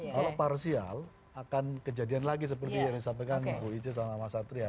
kalau parsial akan kejadian lagi seperti yang disampaikan bu ice sama mas satria